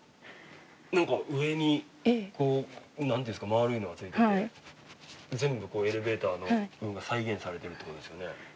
何か上にこう何ていうんですかまあるいのがついてて全部エレベーターの部分が再現されてるってことですよね。